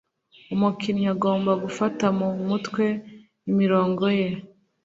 Umukinnyi agomba gufata mu mutwe imirongo ye.